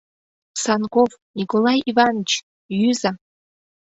Санков, Николай Иваныч, йӱза!